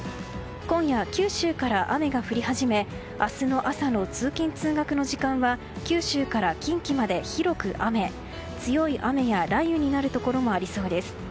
今夜、九州から雨が降り始め明日の朝の通勤・通学の時間は九州から近畿まで広く雨強い雨や雷雨になるところもありそうです。